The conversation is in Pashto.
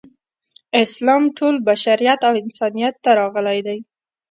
اسلام ټول بشریت او انسانیت ته راغلی دی.